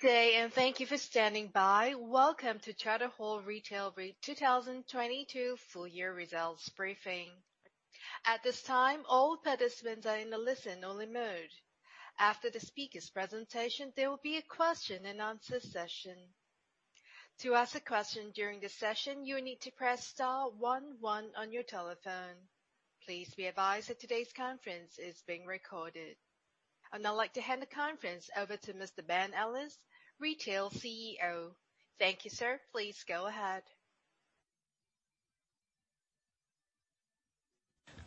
Good day, and thank you for standing by. Welcome to Charter Hall Retail REIT 2022 full year results briefing. At this time, all participants are in a listen-only mode. After the speaker's presentation, there will be a question and answer session. To ask a question during the session, you will need to press star one one on your telephone. Please be advised that today's conference is being recorded. I'd now like to hand the conference over to Mr. Ben Ellis, Retail CEO. Thank you, sir. Please go ahead.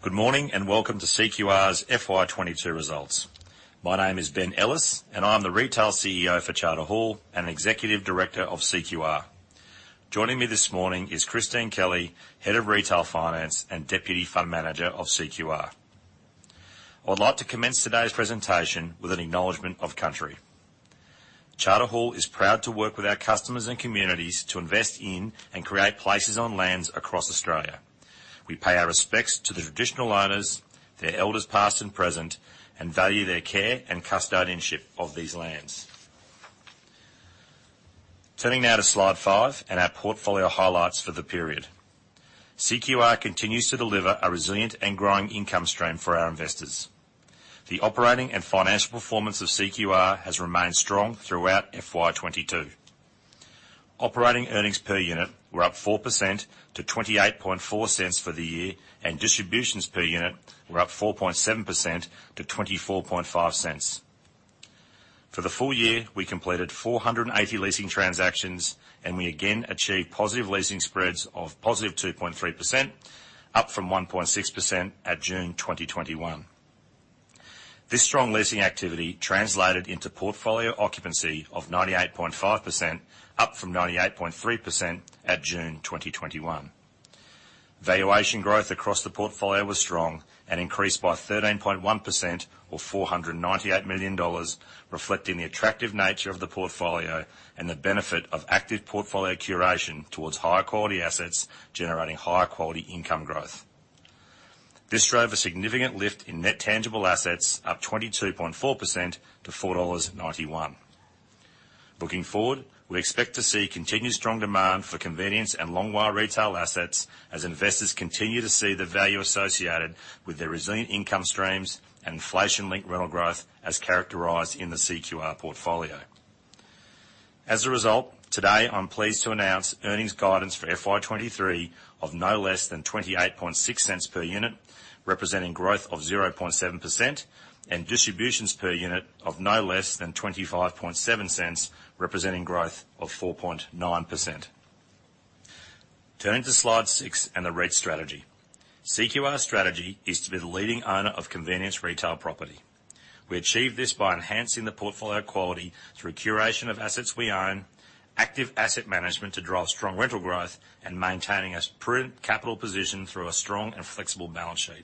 Good morning, and welcome to CQR's FY 2022 results. My name is Ben Ellis, and I'm the Retail CEO for Charter Hall and Executive Director of CQR. Joining me this morning is Christine Kelly, Head of Retail Finance and Deputy Fund Manager of CQR. I'd like to commence today's presentation with an acknowledgement of country. Charter Hall is proud to work with our customers and communities to invest in and create places on lands across Australia. We pay our respects to the traditional owners, their elders past and present, and value their care and custodianship of these lands. Turning now to slide five and our portfolio highlights for the period. CQR continues to deliver a resilient and growing income stream for our investors. The operating and financial performance of CQR has remained strong throughout FY 2022. Operating earnings per unit were up 4% to 0.284 for the year, and distributions per unit were up 4.7% to 0.245. For the full year, we completed 480 leasing transactions, and we again achieved positive leasing spreads of positive 2.3%, up from 1.6% at June 2021. This strong leasing activity translated into portfolio occupancy of 98.5%, up from 98.3% at June 2021. Valuation growth across the portfolio was strong and increased by 13.1% or AUD 498 million, reflecting the attractive nature of the portfolio and the benefit of active portfolio curation towards higher quality assets, generating higher quality income growth. This drove a significant lift in net tangible assets up 22.4% to AUD 4.91. Looking forward, we expect to see continued strong demand for convenience and long WALE retail assets as investors continue to see the value associated with their resilient income streams and inflation-linked rental growth as characterized in the CQR portfolio. As a result, today, I'm pleased to announce earnings guidance for FY 2023 of no less than 0.286 per unit, representing growth of 0.7%, and distributions per unit of no less than 0.257, representing growth of 4.9%. Turning to slide six and the REIT strategy. CQR's strategy is to be the leading owner of convenience retail property. We achieve this by enhancing the portfolio quality through curation of assets we own, active asset management to drive strong rental growth, and maintaining as prudent capital position through a strong and flexible balance sheet.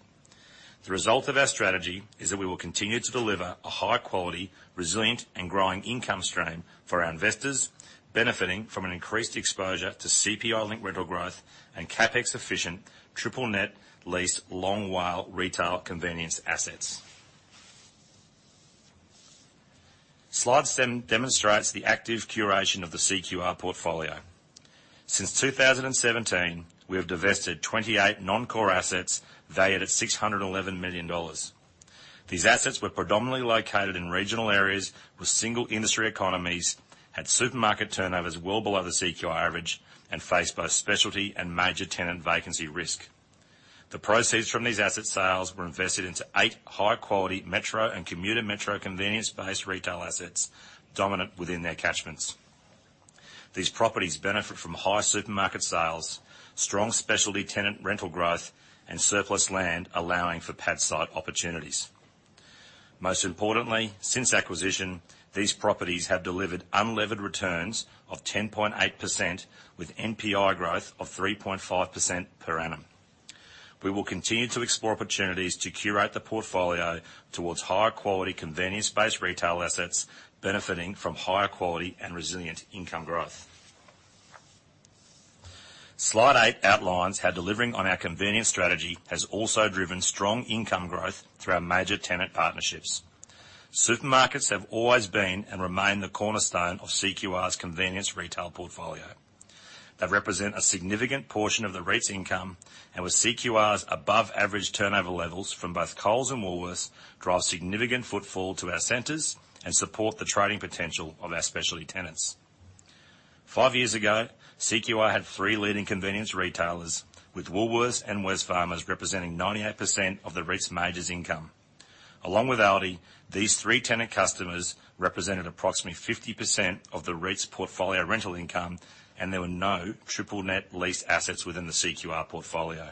The result of our strategy is that we will continue to deliver a high quality, resilient and growing income stream for our investors, benefiting from an increased exposure to CPI-linked rental growth and CapEx-efficient triple-net leased long WALE retail convenience assets. Slide seven demonstrates the active curation of the CQR portfolio. Since 2017, we have divested 28 non-core assets valued at 611 million dollars. These assets were predominantly located in regional areas with single industry economies, had supermarket turnovers well below the CQR average, and faced both specialty and major tenant vacancy risk. The proceeds from these asset sales were invested into eight high-quality metro and commuter metro convenience-based retail assets, dominant within their catchments. These properties benefit from high supermarket sales, strong specialty tenant rental growth, and surplus land allowing for pad site opportunities. Most importantly, since acquisition, these properties have delivered unlevered returns of 10.8% with NPI growth of 3.5% per annum. We will continue to explore opportunities to curate the portfolio towards higher quality convenience-based retail assets benefiting from higher quality and resilient income growth. Slide eight outlines how delivering on our convenience strategy has also driven strong income growth through our major tenant partnerships. Supermarkets have always been and remain the cornerstone of CQR's convenience retail portfolio. They represent a significant portion of the REIT's income, and with CQR's above average turnover levels from both Coles and Woolworths draw significant footfall to our centers and support the trading potential of our specialty tenants. Five years ago, CQR had three leading convenience retailers, with Woolworths and Wesfarmers representing 98% of the REIT's majors income. Along with Aldi, these three tenant customers represented approximately 50% of the REIT's portfolio rental income, and there were no triple-net lease assets within the CQR portfolio.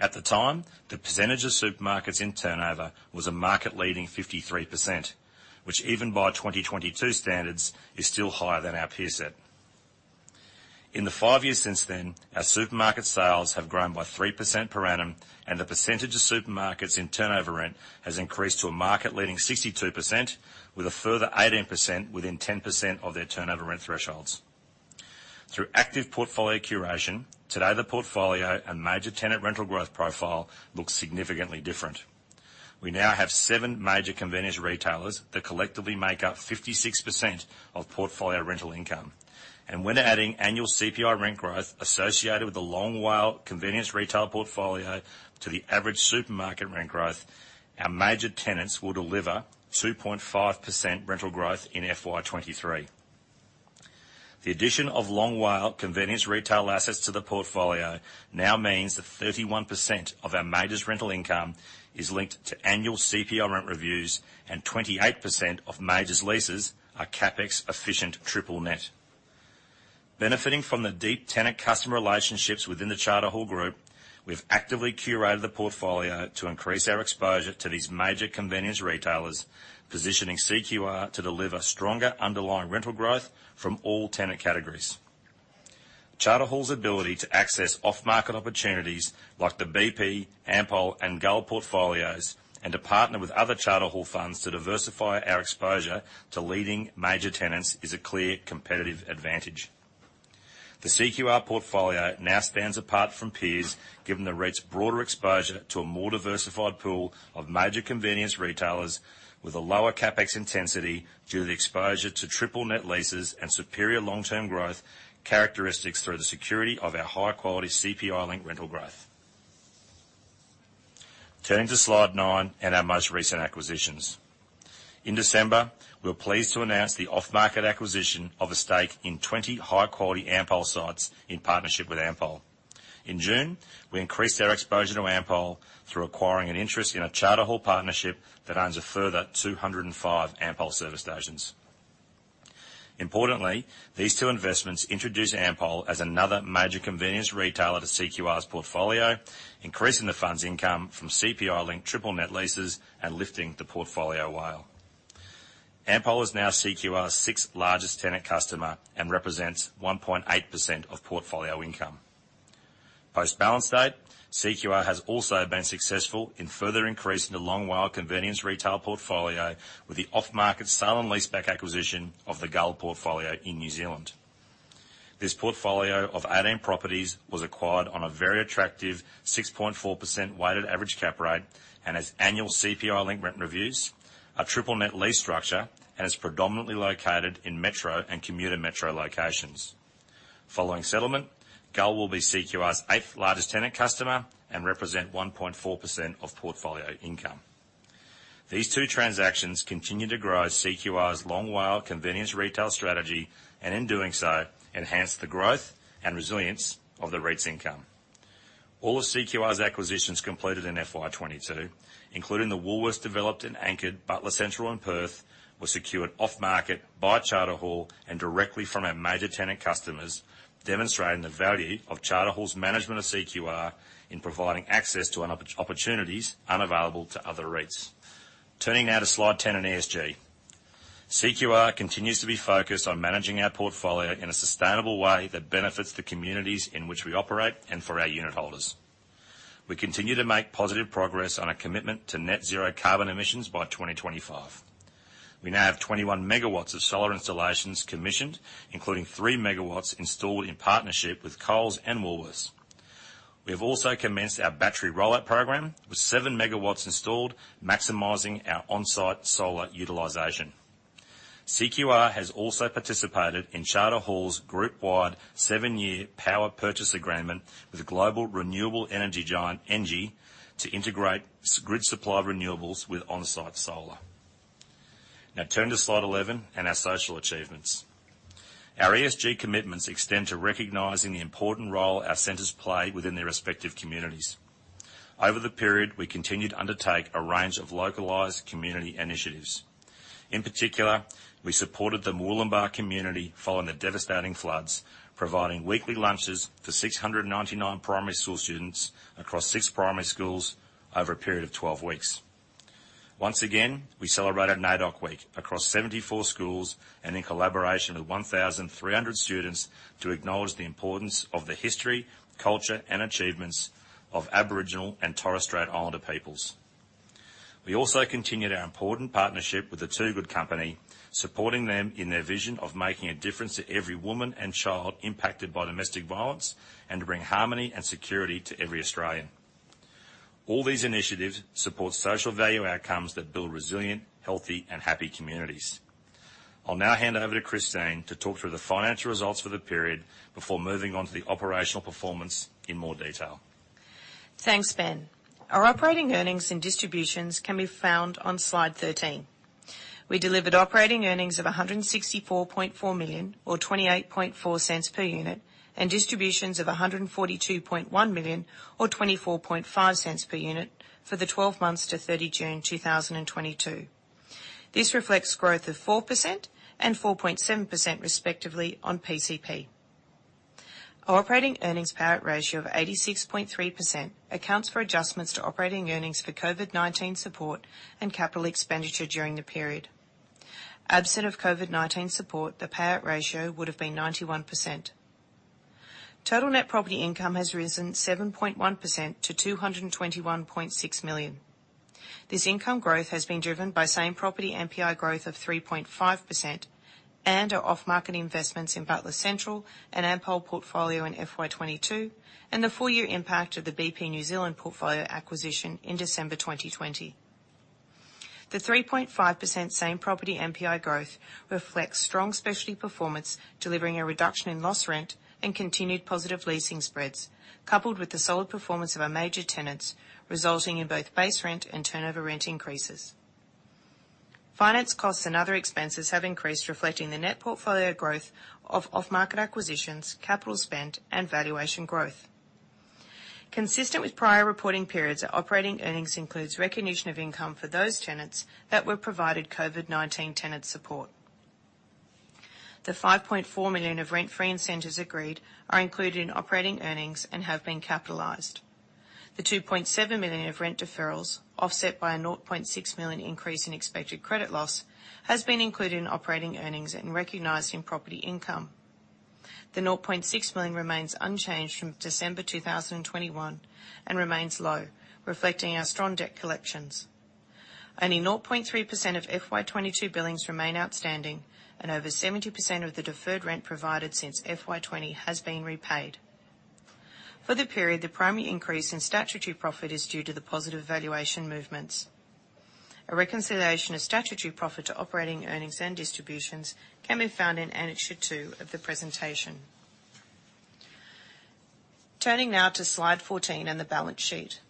At the time, the percentage of supermarkets in turnover was a market-leading 53%, which even by 2022 standards, is still higher than our peer set. In the five years since then, our supermarket sales have grown by 3% per annum, and the percentage of supermarkets in turnover rent has increased to a market-leading 62% with a further 18% within 10% of their turnover rent thresholds. Through active portfolio curation, today, the portfolio and major tenant rental growth profile looks significantly different. We now have seven major convenience retailers that collectively make up 56% of portfolio rental income. When adding annual CPI rent growth associated with the long WALE convenience retail portfolio to the average supermarket rent growth, our major tenants will deliver 2.5% rental growth in FY 2023. The addition of long WALE convenience retail assets to the portfolio now means that 31% of our majors rental income is linked to annual CPI rent reviews, and 28% of majors leases are CapEx efficient triple net. Benefiting from the deep tenant customer relationships within the Charter Hall Group, we've actively curated the portfolio to increase our exposure to these major convenience retailers, positioning CQR to deliver stronger underlying rental growth from all tenant categories. Charter Hall's ability to access off-market opportunities like the BP, Ampol, and Gull portfolios, and to partner with other Charter Hall funds to diversify our exposure to leading major tenants is a clear competitive advantage. The CQR portfolio now stands apart from peers, given the REIT's broader exposure to a more diversified pool of major convenience retailers with a lower CapEx intensity due to the exposure to triple net leases and superior long-term growth characteristics through the security of our high-quality CPI-linked rental growth. Turning to slide nine and our most recent acquisitions. In December, we were pleased to announce the off-market acquisition of a stake in 20 high-quality Ampol sites in partnership with Ampol. In June, we increased our exposure to Ampol through acquiring an interest in a Charter Hall partnership that earns a further 205 Ampol service stations. Importantly, these two investments introduce Ampol as another major convenience retailer to CQR's portfolio, increasing the fund's income from CPI-linked triple net leases and lifting the portfolio WALE. Ampol is now CQR's sixth-largest tenant customer and represents 1.8% of portfolio income. Post-balance date, CQR has also been successful in further increasing the long WALE convenience retail portfolio with the off-market sale and leaseback acquisition of the Gull portfolio in New Zealand. This portfolio of 18 properties was acquired on a very attractive 6.4% weighted average cap rate and has annual CPI-linked rent reviews, a triple net lease structure, and is predominantly located in metro and commuter metro locations. Following settlement, Gull will be CQR's eighth-largest tenant customer and represent 1.4% of portfolio income. These two transactions continue to grow CQR's long WALE convenience retail strategy, and in doing so, enhance the growth and resilience of the REIT's income. All of CQR's acquisitions completed in FY 2022, including the Woolworths-developed and anchored Butler Central in Perth, were secured off-market by Charter Hall and directly from our major tenant customers, demonstrating the value of Charter Hall's management of CQR in providing access to opportunities unavailable to other REITs. Turning now to slide 10 in ESG. CQR continues to be focused on managing our portfolio in a sustainable way that benefits the communities in which we operate and for our unit holders. We continue to make positive progress on a commitment to net zero carbon emissions by 2025. We now have 21 MW of solar installations commissioned, including 3 MW installed in partnership with Coles and Woolworths. We have also commenced our battery rollout program with 7 MW installed, maximizing our on-site solar utilization. CQR has also participated in Charter Hall's group-wide 7-year power purchase agreement with global renewable energy giant ENGIE to integrate grid supply renewables with on-site solar. Now turning to slide 11 and our social achievements. Our ESG commitments extend to recognizing the important role our centers play within their respective communities. Over the period, we continued to undertake a range of localized community initiatives. In particular, we supported the Murwillumbah community following the devastating floods, providing weekly lunches to 699 primary school students across six primary schools over a period of 12 weeks. Once again, we celebrated NAIDOC Week across 74 schools and in collaboration with 1,300 students to acknowledge the importance of the history, culture, and achievements of Aboriginal and Torres Strait Islander peoples. We also continued our important partnership with the Two Good Co, supporting them in their vision of making a difference to every woman and child impacted by domestic violence and to bring harmony and security to every Australian. All these initiatives support social value outcomes that build resilient, healthy, and happy communities. I'll now hand over to Christine to talk through the financial results for the period before moving on to the operational performance in more detail. Thanks, Ben. Our operating earnings and distributions can be found on slide 13. We delivered operating earnings of 164.4 million or 0.284 per unit, and distributions of 142.1 million or 0.245 per unit for the 12 months to 30 June 2022. This reflects growth of 4% and 4.7% respectively on PCP. Our operating earnings payout ratio of 86.3% accounts for adjustments to operating earnings for COVID-19 support and capital expenditure during the period. Absent of COVID-19 support, the payout ratio would have been 91%. Total net property income has risen 7.1% to 221.6 million. This income growth has been driven by same property NPI growth of 3.5% and our off-market investments in Butler Central and Ampol portfolio in FY22, and the full year impact of the BP New Zealand portfolio acquisition in December 2020. The 3.5% same property NPI growth reflects strong specialty performance, delivering a reduction in loss rent and continued positive leasing spreads, coupled with the solid performance of our major tenants, resulting in both base rent and turnover rent increases. Finance costs and other expenses have increased, reflecting the net portfolio growth of off-market acquisitions, capital spend, and valuation growth. Consistent with prior reporting periods, our operating earnings includes recognition of income for those tenants that were provided COVID-19 tenant support. The 5.4 million of rent-free incentives agreed are included in operating earnings and have been capitalized. The 2.7 million of rent deferrals, offset by a 0.6 million increase in expected credit loss, has been included in operating earnings and recognized in property income. The 0.6 million remains unchanged from December 2021 and remains low, reflecting our strong debt collections. Only 0.3% of FY 2022 billings remain outstanding, and over 70% of the deferred rent provided since FY 2020 has been repaid. For the period, the primary increase in statutory profit is due to the positive valuation movements. A reconciliation of statutory profit to operating earnings and distributions can be found in Annexure 2 of the presentation. Turning now to slide 14 and the balance sheet.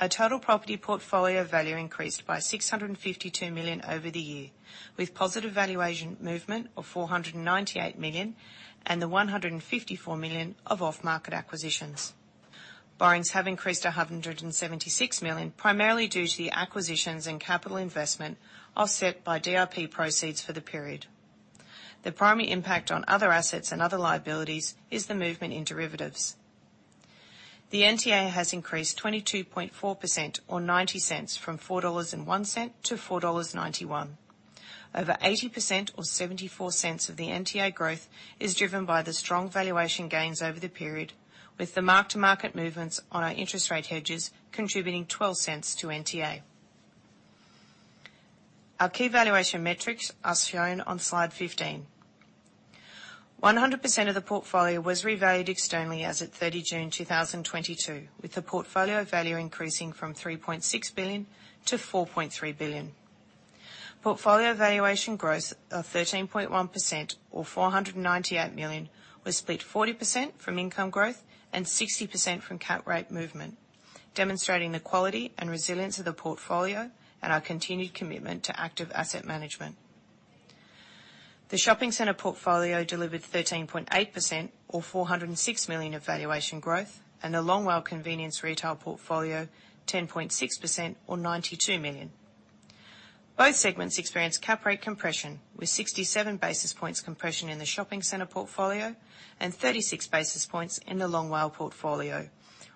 Our total property portfolio value increased by AUD 652 million over the year, with positive valuation movement of AUD 498 million and the AUD 154 million of off-market acquisitions. Borrowings have increased to AUD 176 million, primarily due to the acquisitions and capital investment, offset by DRP proceeds for the period. The primary impact on other assets and other liabilities is the movement in derivatives. The NTA has increased 22.4%, or 0.90, from 4.01 dollars to 4.91 dollars. Over 80%, or 0.74 of the NTA growth, is driven by the strong valuation gains over the period, with the mark-to-market movements on our interest rate hedges contributing 0.12 to NTA. Our key valuation metrics are shown on slide 15. 100% of the portfolio was revalued externally as at 30 June 2022, with the portfolio value increasing from 3.6 billion-4.3 billion. Portfolio valuation growth of 13.1%, or 498 million, was split 40% from income growth and 60% from cap rate movement, demonstrating the quality and resilience of the portfolio and our continued commitment to active asset management. The shopping center portfolio delivered 13.8%, or 406 million of valuation growth, and the Long WALE Convenience Retail portfolio, 10.6%, or 92 million. Both segments experienced cap rate compression, with 67 basis points compression in the shopping center portfolio and 36 basis points in the Long WALE portfolio,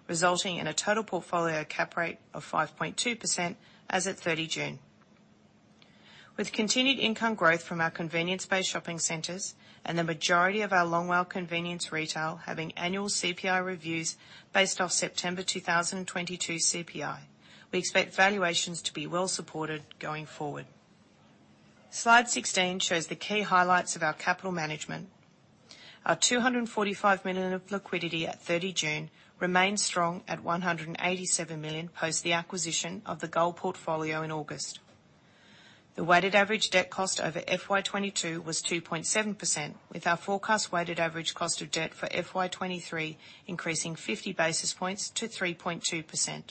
resulting in a total portfolio cap rate of 5.2% as at 30 June. With continued income growth from our convenience-based shopping centers and the majority of our Long WALE Convenience Retail having annual CPI reviews based off September 2022 CPI, we expect valuations to be well-supported going forward. Slide 16 shows the key highlights of our capital management. Our 245 million of liquidity at 30 June remains strong at 187 million post the acquisition of the Gull portfolio in August. The weighted average debt cost over FY 2022 was 2.7%, with our forecast weighted average cost of debt for FY 2023 increasing 50 basis points to 3.2%.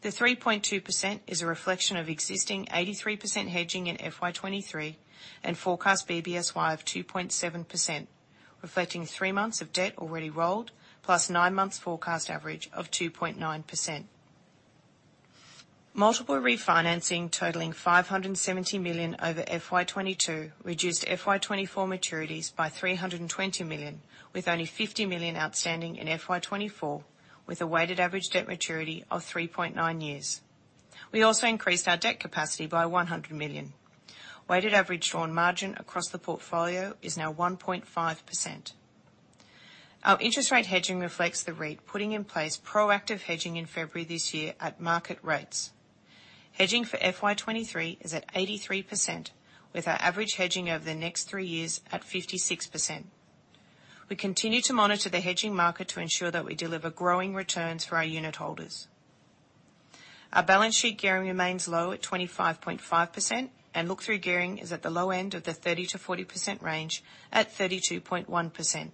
The 3.2% is a reflection of existing 83% hedging in FY 2023 and forecast BBSY of 2.7%, reflecting three months of debt already rolled, plus nine months forecast average of 2.9%. Multiple refinancing totaling 570 million over FY 2022 reduced FY 2024 maturities by 320 million, with only 50 million outstanding in FY 2024, with a weighted average debt maturity of 3.9 years. We also increased our debt capacity by 100 million. Weighted average drawn margin across the portfolio is now 1.5%. Our interest rate hedging reflects the REIT putting in place proactive hedging in February this year at market rates. Hedging for FY 2023 is at 83%, with our average hedging over the next three years at 56%. We continue to monitor the hedging market to ensure that we deliver growing returns for our unit holders. Our balance sheet gearing remains low at 25.5%, and look-through gearing is at the low end of the 30%-40% range at 32.1%.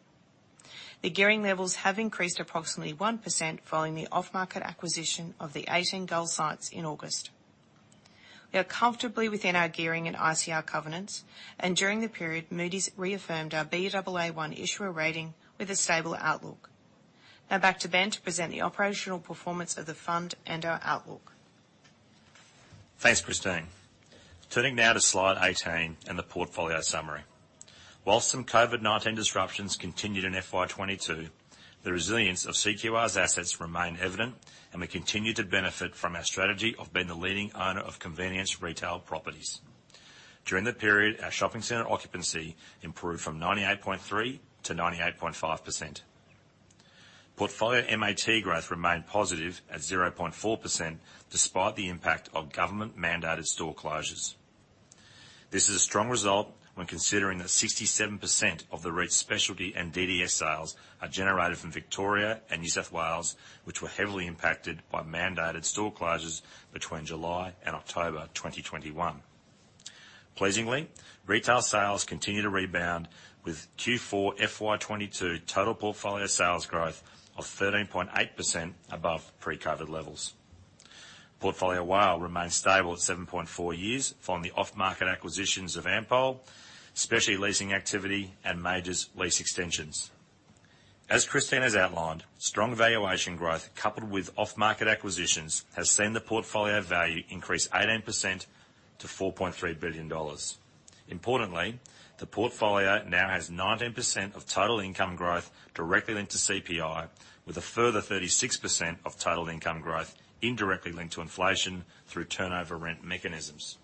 The gearing levels have increased approximately 1% following the off-market acquisition of the 18 Gull sites in August. We are comfortably within our gearing and ICR covenants, and during the period, Moody's reaffirmed our Baa1 issuer rating with a stable outlook. Now back to Ben to present the operational performance of the fund and our outlook. Thanks, Christine. Turning now to slide 18 and the portfolio summary. While some COVID-19 disruptions continued in FY 2022, the resilience of CQR's assets remain evident, and we continue to benefit from our strategy of being the leading owner of convenience retail properties. During the period, our shopping center occupancy improved from 98.3% to 98.5%. Portfolio MAT growth remained positive at 0.4%, despite the impact of government-mandated store closures. This is a strong result when considering that 67% of the retail specialty and DDS sales are generated from Victoria and New South Wales, which were heavily impacted by mandated store closures between July and October 2021. Pleasingly, retail sales continue to rebound with Q4 FY 2022 total portfolio sales growth of 13.8% above pre-COVID levels. Portfolio WALE remains stable at 7.4 years from the off-market acquisitions of Ampol, specialty leasing activity, and majors lease extensions. Christine's outlined, strong valuation growth, coupled with off-market acquisitions, has seen the portfolio value increase 18% to 4.3 billion dollars. Importantly, the portfolio now has 19% of total income growth directly linked to CPI, with a further 36% of total income growth indirectly linked to inflation through turnover rent mechanisms.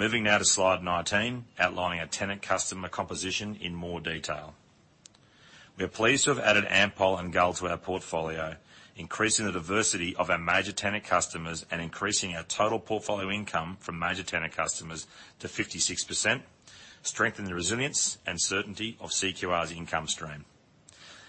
Moving now to slide 19, outlining our tenant customer composition in more detail. We are pleased to have added Ampol and Gull to our portfolio, increasing the diversity of our major tenant customers and increasing our total portfolio income from major tenant customers to 56%, strengthening the resilience and certainty of CQR's income stream.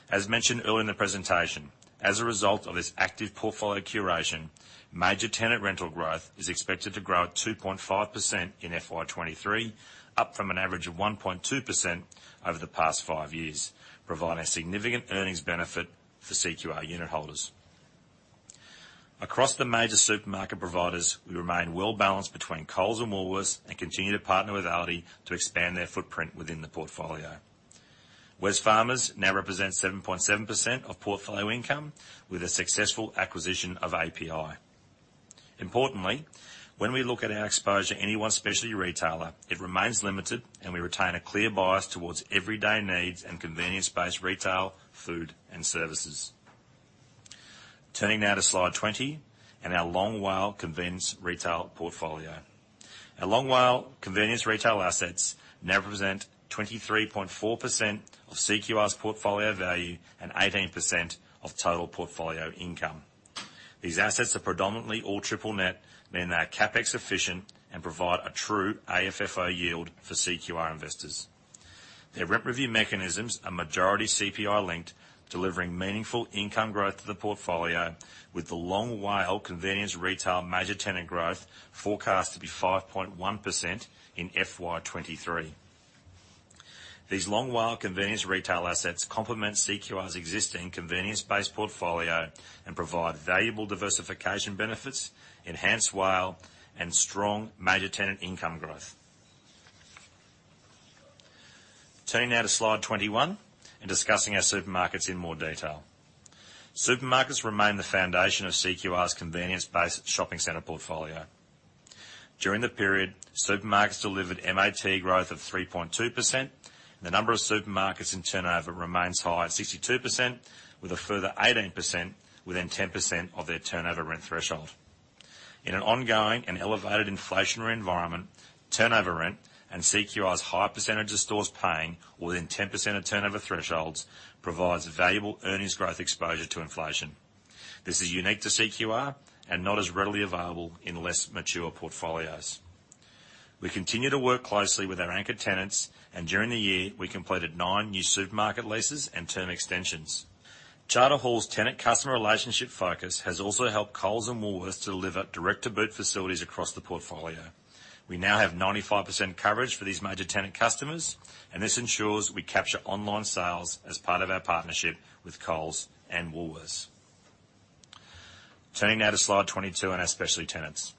As mentioned earlier in the presentation, as a result of this active portfolio curation, major tenant rental growth is expected to grow at 2.5% in FY 2023, up from an average of 1.2% over the past five years, providing a significant earnings benefit for CQR unit holders. Across the major supermarket providers, we remain well-balanced between Coles and Woolworths and continue to partner with Aldi to expand their footprint within the portfolio. Wesfarmers now represents 7.7% of portfolio income with the successful acquisition of API. Importantly, when we look at our exposure to any one specialty retailer, it remains limited, and we retain a clear bias towards everyday needs and convenience-based retail, food, and services. Turning now to slide 20 and our long WALE convenience retail portfolio. Our Long WALE convenience retail assets now represent 23.4% of CQR's portfolio value and 18% of total portfolio income. These assets are predominantly all triple net, meaning they are CapEx efficient and provide a true AFFO yield for CQR investors. Their rent review mechanisms are majority CPI-linked, delivering meaningful income growth to the portfolio, with the Long WALE convenience retail major tenant growth forecast to be 5.1% in FY 2023. These Long WALE convenience retail assets complement CQR's existing convenience-based portfolio and provide valuable diversification benefits, enhanced WALE, and strong major tenant income growth. Turning now to slide 21 and discussing our supermarkets in more detail. Supermarkets remain the foundation of CQR's convenience-based shopping center portfolio. During the period, supermarkets delivered MAT growth of 3.2%. The number of supermarkets in turnover remains high at 62% with a further 18% within 10% of their turnover rent threshold. In an ongoing and elevated inflationary environment, turnover rent and CQR's high percentage of stores paying within 10% of turnover thresholds provides valuable earnings growth exposure to inflation. This is unique to CQR and not as readily available in less mature portfolios. We continue to work closely with our anchor tenants, and during the year, we completed nine new supermarket leases and term extensions. Charter Hall's tenant customer relationship focus has also helped Coles and Woolworths deliver direct-to-boot facilities across the portfolio. We now have 95% coverage for these major tenant customers, and this ensures we capture online sales as part of our partnership with Coles and Woolworths. Turning now to slide 22 on our specialty tenants.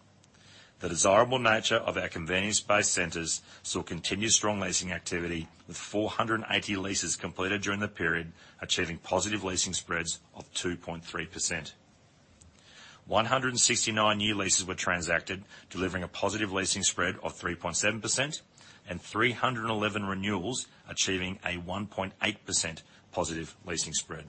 The desirable nature of our convenience-based centers saw continued strong leasing activity with 480 leases completed during the period, achieving positive leasing spreads of 2.3%. 169 new leases were transacted, delivering a positive leasing spread of 3.7% and 311 renewals, achieving a 1.8% positive leasing spread.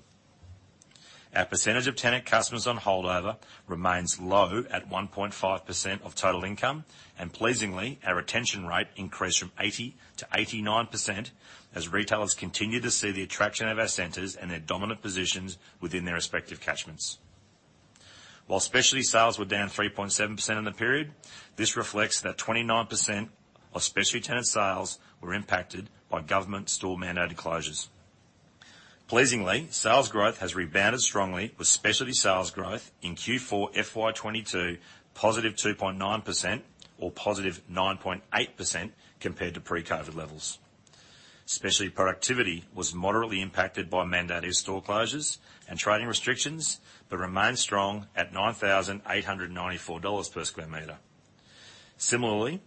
Our percentage of tenant customers on holdover remains low at 1.5% of total income, and pleasingly, our retention rate increased from 80% to 89% as retailers continue to see the attraction of our centers and their dominant positions within their respective catchments. While specialty sales were down 3.7% in the period, this reflects that 29% of specialty tenant sales were impacted by government store-mandated closures. Pleasingly, sales growth has rebounded strongly with specialty sales growth in Q4 FY22 +2.9% or +9.8% compared to pre-COVID levels. Specialty productivity was moderately impacted by mandated store closures and trading restrictions, but remained strong at AUD 9,894 per sqm. Similarly,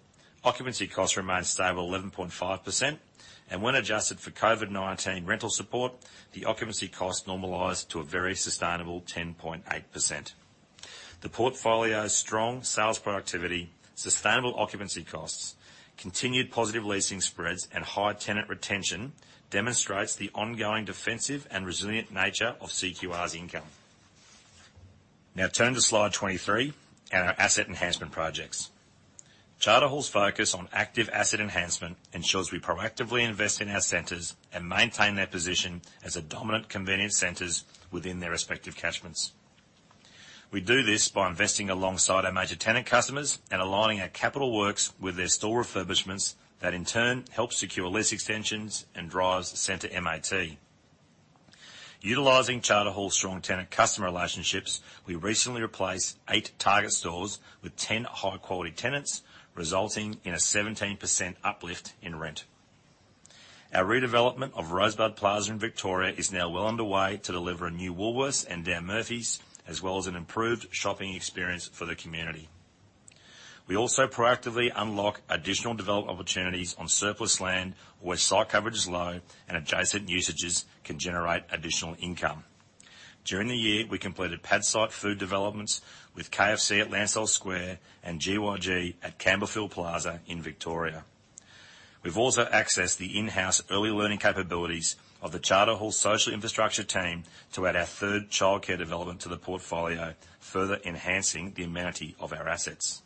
occupancy costs remained stable at 11.5%, and when adjusted for COVID-19 rental support, the occupancy cost normalized to a very sustainable 10.8%. The portfolio's strong sales productivity, sustainable occupancy costs, continued positive leasing spreads, and high tenant retention demonstrates the ongoing defensive and resilient nature of CQR's income. Now turn to slide 23 and our asset enhancement projects. Charter Hall's focus on active asset enhancement ensures we proactively invest in our centers and maintain their position as the dominant convenience centers within their respective catchments. We do this by investing alongside our major tenant customers and aligning our capital works with their store refurbishments that in turn help secure lease extensions and drives center MAT. Utilizing Charter Hall's strong tenant customer relationships, we recently replaced eight Target stores with 10 high-quality tenants, resulting in a 17% uplift in rent. Our redevelopment of Rosebud Plaza in Victoria is now well underway to deliver a new Woolworths and Dan Murphy's, as well as an improved shopping experience for the community. We also proactively unlock additional development opportunities on surplus land where site coverage is low and adjacent usages can generate additional income. During the year, we completed pad site food developments with KFC at Landsdale Square and GYG at Campbellfield Plaza in Victoria. We've also accessed the in-house early learning capabilities of the Charter Hall social infrastructure team to add our third childcare development to the portfolio, further enhancing the amenity of our assets.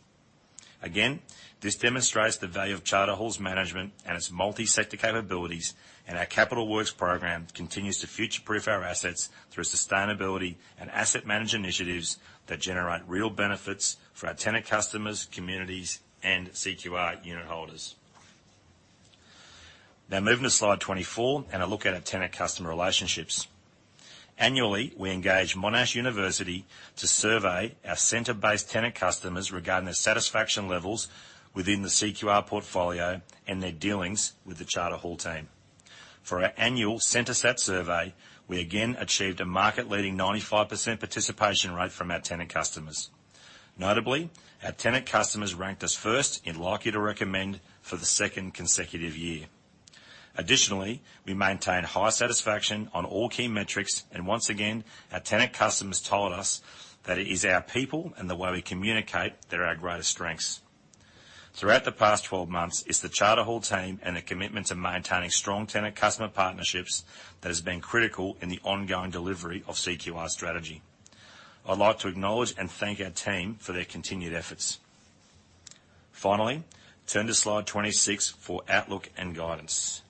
Again, this demonstrates the value of Charter Hall's management and its multi-sector capabilities, and our capital works program continues to future-proof our assets through sustainability and asset management initiatives that generate real benefits for our tenant customers, communities, and CQR unit holders. Now moving to slide 24 and a look at our tenant customer relationships. Annually, we engage Monash University to survey our center-based tenant customers regarding their satisfaction levels within the CQR portfolio and their dealings with the Charter Hall team. For our annual CentreSat survey, we again achieved a market-leading 95% participation rate from our tenant customers. Notably, our tenant customers ranked us first in likely to recommend for the second consecutive year. Additionally, we maintain high satisfaction on all key metrics, and once again, our tenant customers told us that it is our people and the way we communicate that are our greatest strengths. Throughout the past 12 months, it's the Charter Hall team and their commitment to maintaining strong tenant customer partnerships that has been critical in the ongoing delivery of CQR strategy. I'd like to acknowledge and thank our team for their continued efforts. Finally, turn to slide 26 for outlook and guidance.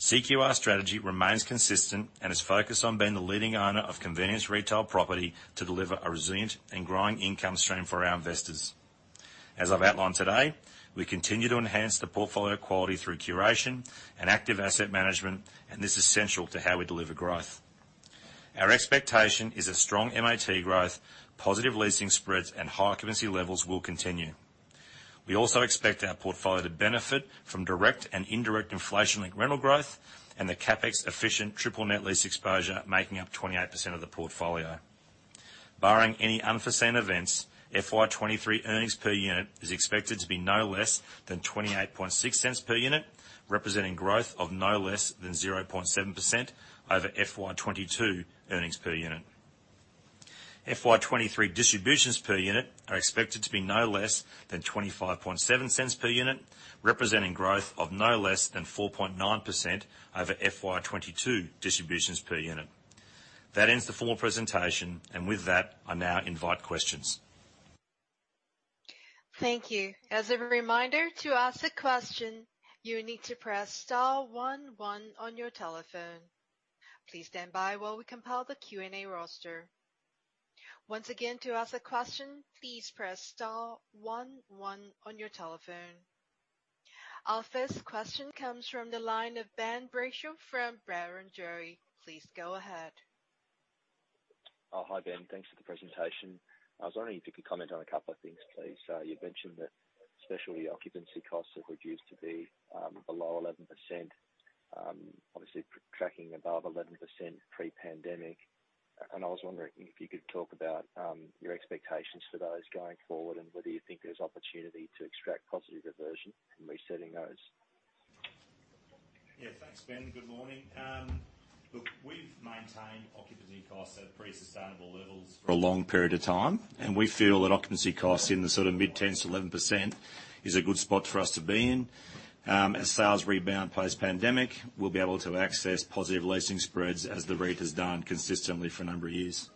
CQR strategy remains consistent and is focused on being the leading owner of convenience retail property to deliver a resilient and growing income stream for our investors. As I've outlined today, we continue to enhance the portfolio quality through curation and active asset management, and this is central to how we deliver growth. Our expectation is that strong MAT growth, positive leasing spreads, and high occupancy levels will continue. We also expect our portfolio to benefit from direct and indirect inflation-linked rental growth and the CapEx-efficient triple net lease exposure making up 28% of the portfolio. Barring any unforeseen events, FY 2023 earnings per unit is expected to be no less than 0.286 per unit, representing growth of no less than 0.7% over FY 2022 earnings per unit. FY 2023 distributions per unit are expected to be no less than 0.257 per unit, representing growth of no less than 4.9% over FY 2022 distributions per unit. That ends the full presentation. With that, I now invite questions. Thank you. As a reminder, to ask a question, you need to press star one one on your telephone. Please stand by while we compile the Q&A roster. Once again, to ask a question, please press star one one on your telephone. Our first question comes from the line of Ben Brayshaw from Barrenjoey. Please go ahead. Oh, hi, Ben. Thanks for the presentation. I was wondering if you could comment on a couple of things, please. You mentioned that specialty occupancy costs have reduced to be below 11%, obviously tracking above 11% pre-pandemic. I was wondering if you could talk about your expectations for those going forward and whether you think there's opportunity to extract positive reversion in resetting those. Yeah, thanks, Ben. Good morning. Look, we've maintained occupancy costs at pretty sustainable levels for a long period of time, and we feel that occupancy costs in the sort of mid-teens to 11% is a good spot for us to be in. As sales rebound post-pandemic, we'll be able to access positive leasing spreads as the rate has done consistently for a number of years.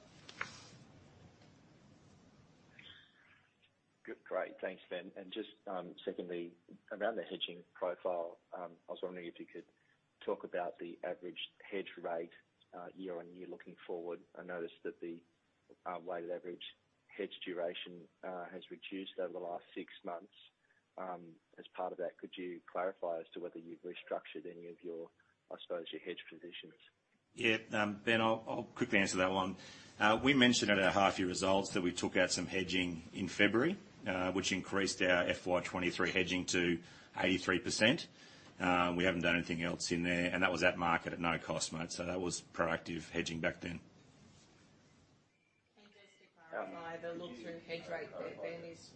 Good. Great. Thanks, Ben. Just, secondly, around the hedging profile, I was wondering if you could talk about the average hedge rate, year-on-year looking forward. I noticed that the weighted average hedge duration has reduced over the last six months. As part of that, could you clarify as to whether you've restructured any of your, I suppose, your hedge positions? Yeah, Ben, I'll quickly answer that one. We mentioned at our half-year results that we took out some hedging in February, which increased our FY 2023 hedging to 83%. We haven't done anything else in there, and that was at market at no cost, mate. That was proactive hedging back then. Can you just clarify the look-through hedge rate there, Ben, is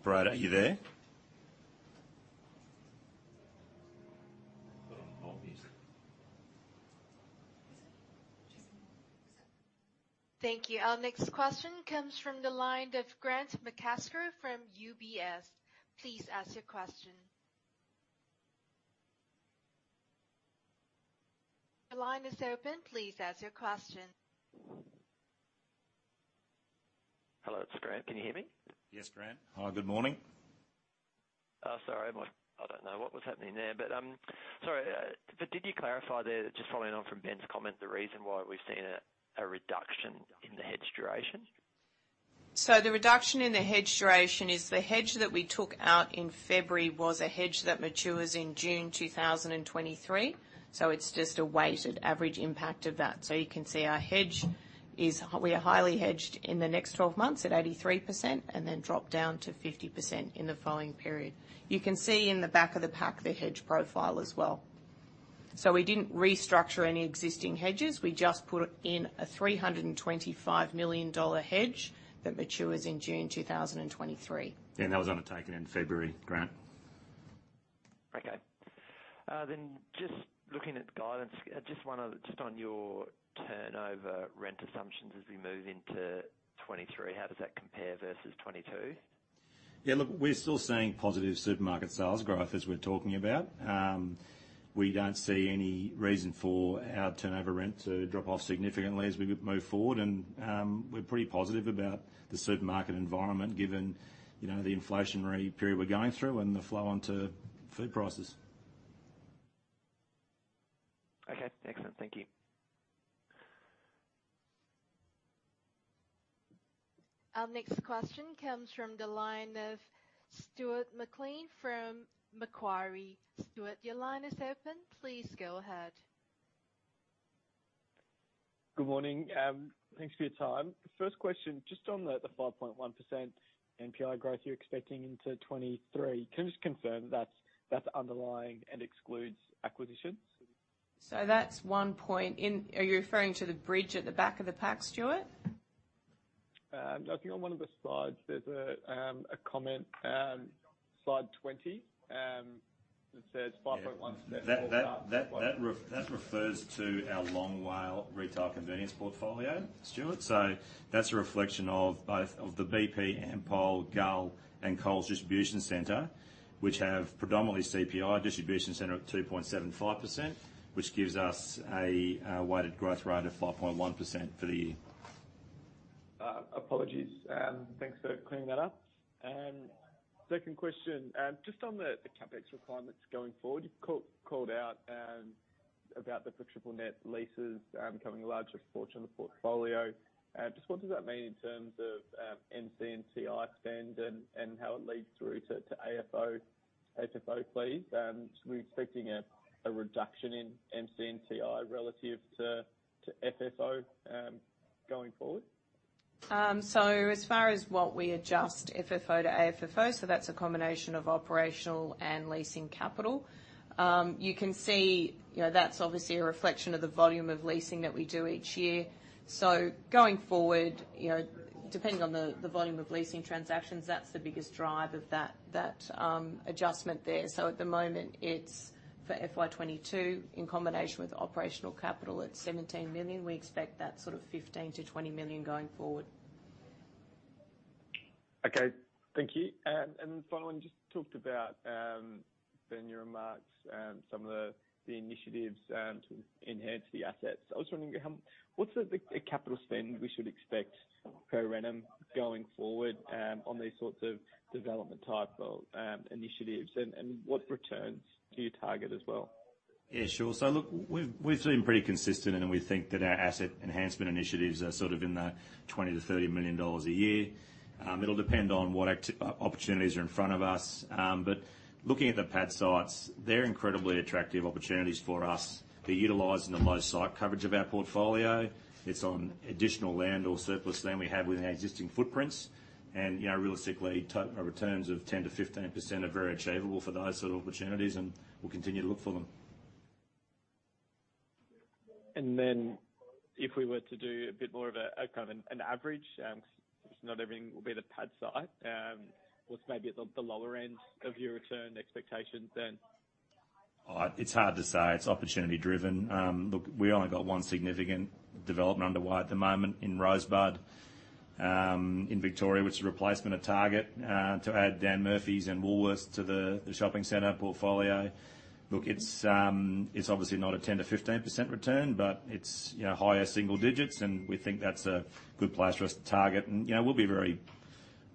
1.2%? Operator, are you there? Thank you. Our next question comes from the line of Grant McCasker from UBS. Please ask your question. The line is open. Please ask your question. Hello, it's Grant. Can you hear me? Yes, Grant McCasker. Hi, good morning. Sorry, I don't know what was happening there, but sorry, but did you clarify there, just following on from Ben's comment, the reason why we've seen a reduction in the hedge duration? The reduction in the hedge duration is the hedge that we took out in February was a hedge that matures in June 2023. It's just a weighted average impact of that. You can see we are highly hedged in the next 12 months at 83% and then drop down to 50% in the following period. You can see in the back of the pack the hedge profile as well. We didn't restructure any existing hedges. We just put in a 325 million dollar hedge that matures in June 2023. Yeah, that was undertaken in February, Grant. Okay. Just looking at the guidance, just on your turnover rent assumptions as we move into 2023, how does that compare versus 2022? Yeah, look, we're still seeing positive supermarket sales growth as we're talking about. We don't see any reason for our turnover rent to drop off significantly as we move forward. We're pretty positive about the supermarket environment given, you know, the inflationary period we're going through and the flow on to food prices. Okay. Excellent. Thank you. Our next question comes from the line of Stuart McLean from Macquarie. Stuart, your line is open. Please go ahead. Good morning. Thanks for your time. The first question, just on the 5.1% NPI growth you're expecting into 2023, can you just confirm that's underlying and excludes acquisitions? Are you referring to the bridge at the back of the pack, Stuart? I think on one of the slides there's a comment, slide 20, that says 5.1%. Yeah. That refers to our long WALE retail convenience portfolio, Stuart. That's a reflection of both of the BP, Ampol, Gull and Coles Distribution Center, which have predominantly CPI distribution center at 2.75%, which gives us a weighted growth rate of 5.1% for the year. Apologies, and thanks for clearing that up. Second question. Just on the CapEx requirements going forward, you called out about the triple net leases becoming a larger portion of the portfolio. Just what does that mean in terms of NC and TI spend and how it leads through to AFFO, FFO please? Are we expecting a reduction in NC and TI relative to FFO going forward? As far as what we adjust FFO to AFFO, that's a combination of operational and leasing capital. You can see, you know, that's obviously a reflection of the volume of leasing that we do each year. Going forward, you know, depending on the volume of leasing transactions, that's the biggest drive of that adjustment there. At the moment, it's for FY 2022 in combination with operational capital at 17 million. We expect that sort of 15-20 million going forward. Okay. Thank you. Then final one, just talked about Ben, your remarks, some of the initiatives to enhance the assets. I was wondering what's the capital spend we should expect per annum going forward on these sorts of development type of initiatives? What returns do you target as well? Yeah, sure. Look, we've been pretty consistent, and we think that our asset enhancement initiatives are sort of in the 20 million-30 million dollars a year. It'll depend on what opportunities are in front of us. Looking at the pad sites, they're incredibly attractive opportunities for us. They're utilizing the low site coverage of our portfolio. It's on additional land or surplus land we have within our existing footprints. You know, realistically, returns of 10%-15% are very achievable for those sort of opportunities, and we'll continue to look for them. If we were to do a bit more of a kind of an average, 'cause not everything will be the pad site, what's maybe at the lower end of your return expectations then? It's hard to say. It's opportunity driven. Look, we only got one significant development underway at the moment in Rosebud, in Victoria, which is a replacement of Target to add Dan Murphy's and Woolworths to the shopping center portfolio. Look, it's obviously not a 10%-15% return, but it's, you know, higher single digits, and we think that's a good place for us to target. You know, we'll be very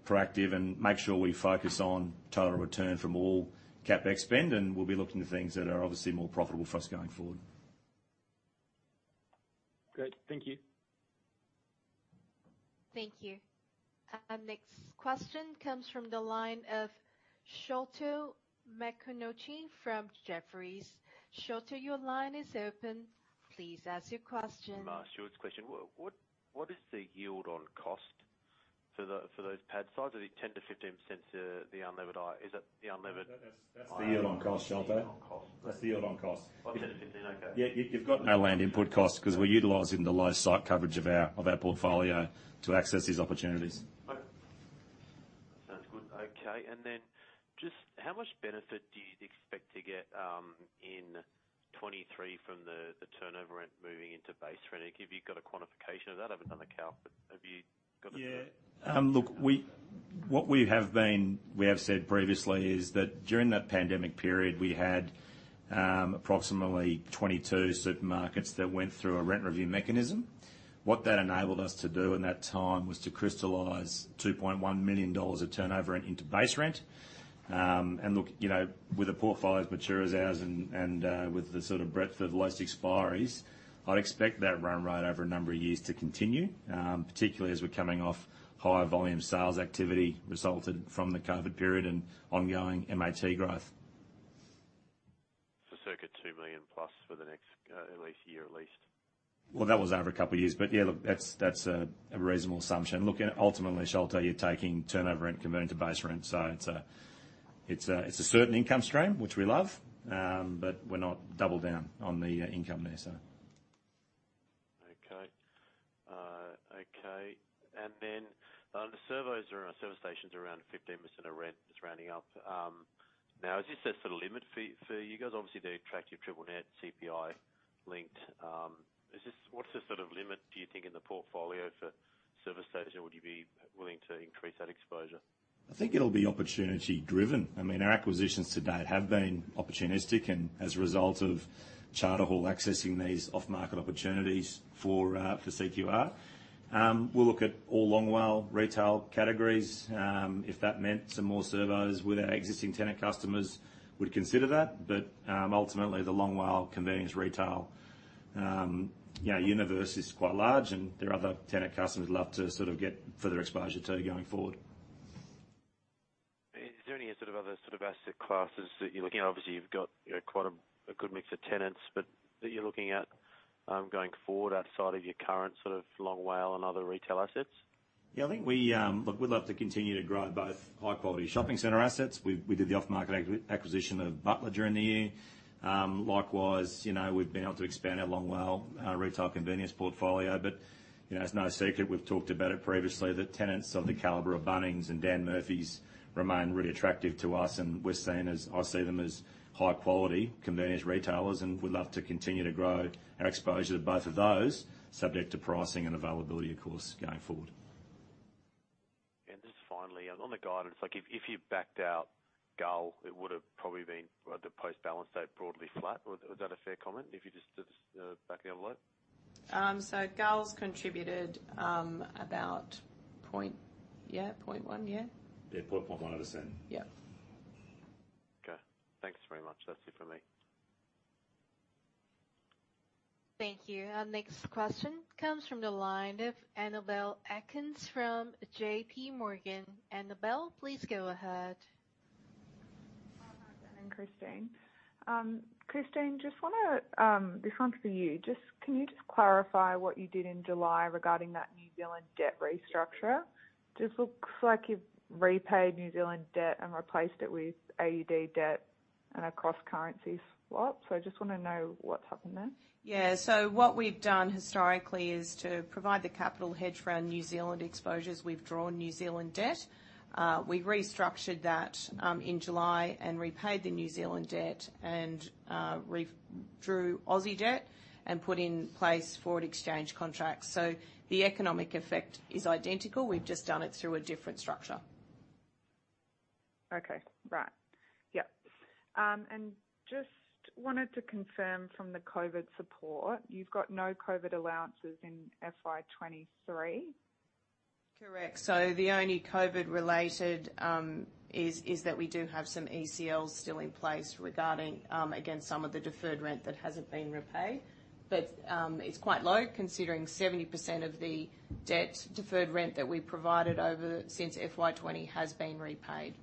proactive and make sure we focus on total return from all CapEx spend, and we'll be looking at things that are obviously more profitable for us going forward. Great. Thank you. Thank you. Next question comes from the line of Sholto Maconochie from Jefferies. Sholto, your line is open. Please ask your question. Sholto's question. What is the yield on cost for those pad sites? Are they 10%-15% to the unlevered? Is that the unlevered? That's the yield on cost, Sholto. Yield on cost. That's the yield on cost. Oh, 10-15. Okay. Yeah, you've got no land input costs 'cause we're utilizing the low site coverage of our portfolio to access these opportunities. Okay. Sounds good. Okay. Just how much benefit do you expect to get in 2023 from the turnover rent moving into base rent? Have you got a quantification of that? I haven't done the calc, but have you got. Yeah. What we have said previously is that during that pandemic period, we had approximately 22 supermarkets that went through a rent review mechanism. What that enabled us to do in that time was to crystallize 2.1 million dollars of turnover rent into base rent. You know, with a portfolio as mature as ours and with the sort of breadth of lease expiries, I'd expect that run rate over a number of years to continue, particularly as we're coming off higher volume sales activity resulted from the COVID period and ongoing MAT growth. Circa 2 million+ for the next, at least year, at least? Well, that was over a couple of years, but yeah, look, that's a reasonable assumption. Look, ultimately, Sholto, you're taking turnover rent converted to base rent, so it's a certain income stream, which we love, but we're not double down on the income there, so. The servos or our service stations are around 15% of rent, just rounding up. Now is this a sort of limit for you guys? Obviously, they attract your triple net CPI linked. What's the sort of limit do you think in the portfolio for service station? Would you be willing to increase that exposure? I think it'll be opportunity driven. I mean, our acquisitions to date have been opportunistic and as a result of Charter Hall accessing these off-market opportunities for CQR. We'll look at all long WALE retail categories. If that meant some more servos with our existing tenant customers, we'd consider that. Ultimately, the long WALE convenience retail, you know, universe is quite large and there are other tenant customers we'd love to sort of get further exposure to going forward. Is there any sort of other sort of asset classes that you're looking at? Obviously, you've got, you know, quite a good mix of tenants, but that you're looking at, going forward outside of your current sort of long WALE and other retail assets? Yeah, I think we look, we'd love to continue to grow both high quality shopping center assets. We did the off-market acquisition of Butler during the year. Likewise, you know, we've been able to expand our long WALE retail convenience portfolio. You know, it's no secret, we've talked about it previously, that tenants of the caliber of Bunnings and Dan Murphy's remain really attractive to us. I see them as high quality convenience retailers, and we'd love to continue to grow our exposure to both of those, subject to pricing and availability, of course, going forward. Just finally, on the guidance, like if you backed out Gull, it would have probably been the post-balance date broadly flat. Was that a fair comment if you just back-of-the-envelope? Gull's contributed about 0.1, yeah? Yeah, 0.001. Yeah. Okay. Thanks very much. That's it from me. Thank you. Our next question comes from the line of Annabelle Atkins from J.P. Morgan. Annabelle, please go ahead. Hi, Ben and Christine. Christine, just wanna. This one's for you. Just, can you just clarify what you did in July regarding that New Zealand debt restructure? Just looks like you've repaid New Zealand debt and replaced it with AUD debt in a cross-currency swap. I just wanna know what's happened there. Yeah. What we've done historically is to provide the capital hedge around New Zealand exposures. We've drawn New Zealand debt. We restructured that in July and repaid the New Zealand debt and re-drew Aussie debt and put in place forward exchange contracts. The economic effect is identical. We've just done it through a different structure. Just wanted to confirm from the COVID support, you've got no COVID allowances in FY 2023? Correct. The only COVID-related is that we do have some ECLs still in place regarding again some of the deferred rent that hasn't been repaid. But it's quite low considering 70% of the deferred rent that we provided over since FY 2020 has been repaid.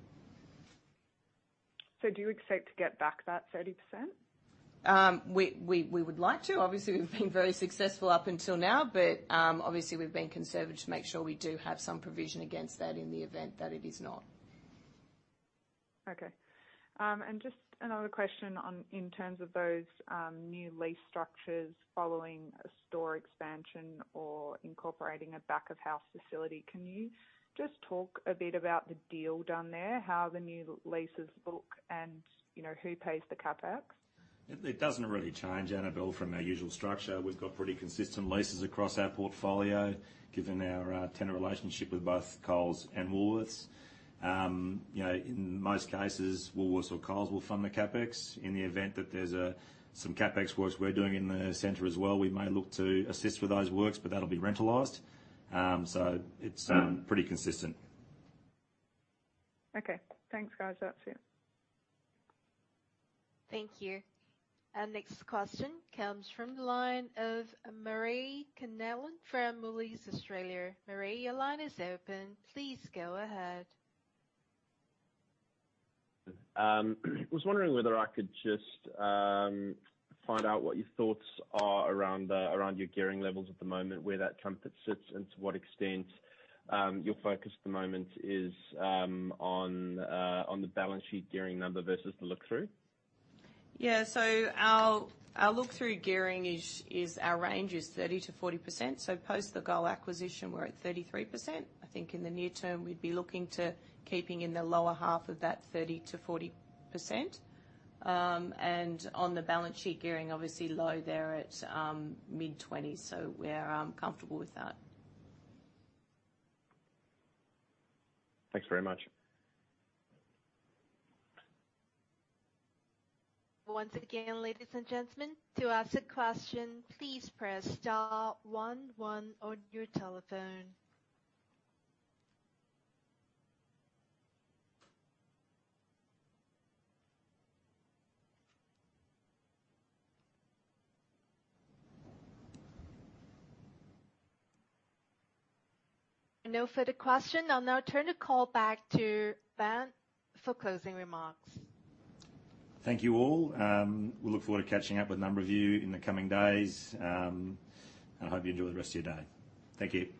Do you expect to get back that 30%? We would like to. Obviously, we've been very successful up until now, but obviously, we've been conservative to make sure we do have some provision against that in the event that it is not. Just another question on, in terms of those, new lease structures following a store expansion or incorporating a back-of-house facility. Can you just talk a bit about the deal done there, how the new leases look, and, you know, who pays the CapEx? It doesn't really change, Annabelle, from our usual structure. We've got pretty consistent leases across our portfolio given our tenant relationship with both Coles and Woolworths. You know, in most cases, Woolworths or Coles will fund the CapEx. In the event that there's some CapEx works we're doing in the center as well, we may look to assist with those works, but that'll be rentalized. It's pretty consistent. Okay. Thanks, guys. That's it. Thank you. Our next question comes from the line of Murray Connellan from Moelis Australia. Murray, your line is open. Please go ahead. Was wondering whether I could just find out what your thoughts are around your gearing levels at the moment, where that currently sits, and to what extent your focus at the moment is on the balance sheet gearing number versus the look-through. Yeah. Our look-through gearing is our range of 30%-40%. Post the Gull acquisition, we're at 33%. I think in the near term, we'd be looking to keeping in the lower half of that 30%-40%. On the balance sheet gearing, obviously low there at mid-20s%. We're comfortable with that. Thanks very much. Once again, ladies and gentlemen, to ask a question, please press star one one on your telephone. No further question. I'll now turn the call back to Ben for closing remarks. Thank you all. We look forward to catching up with a number of you in the coming days. I hope you enjoy the rest of your day. Thank you.